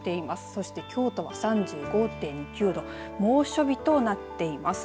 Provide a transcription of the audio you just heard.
そして京都は３５．９度猛暑日となっています。